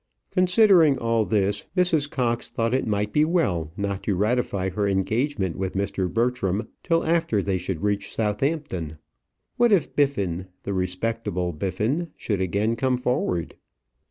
Considering all this, Mrs. Cox thought it might be well not to ratify her engagement with Mr. Bertram till after they should reach Southampton. What if Biffin the respectable Biffin should again come forward!